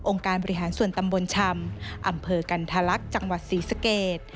การบริหารส่วนตำบลชำอำเภอกันทะลักษณ์จังหวัดศรีสเกต